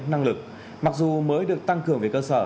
năng lực mặc dù mới được tăng cường về cơ sở